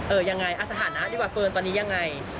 ยังไงเอาสถานะดีกว่าเฟิร์นตอนนี้ยังไง